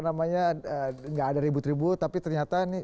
namanya gak ada ribut ribut tapi ternyata ini